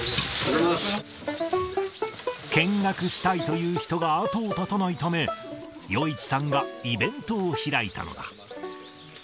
見学したいという人が後を絶たないため、余一さんがイベントを開いたのだ。